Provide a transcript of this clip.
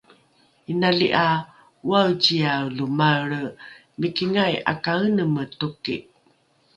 inali ’a oaeciae lo maelre mikingai ’akaeneme toki